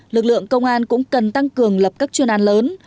lực lượng công an cũng cần tăng cường lập các chuyên an lớn